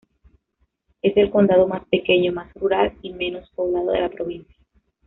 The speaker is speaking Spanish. Es el condado más pequeño, más rural y menos poblado de la provincia.